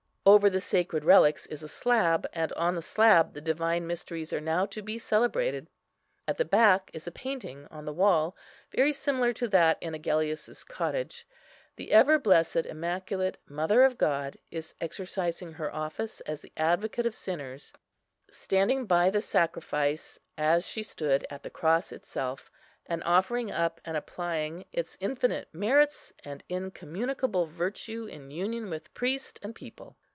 Over the sacred relics is a slab, and on the slab the Divine Mysteries are now to be celebrated. At the back is a painting on the wall, very similar to that in Agellius's cottage. The ever blessed immaculate Mother of God is exercising her office as the Advocate of sinners, standing by the sacrifice as she stood at the cross itself, and offering up and applying its infinite merits and incommunicable virtue in union with priest and people.